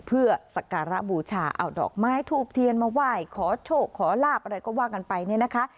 เพื่อสักการะบูชาเอาดอกไม้ทูบเทียนมาไหว้ขอโชคขอลาบอะไรก็ว่ากันไปเนี่ยนะคะ